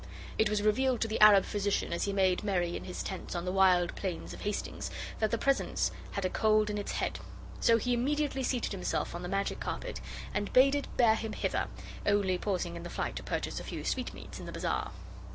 'It was revealed to the Arab physician as he made merry in his tents on the wild plains of Hastings that the Presence had a cold in its head. So he immediately seated himself on the magic carpet, and bade it bear him hither, only pausing in the flight to purchase a few sweetmeats in the bazaar.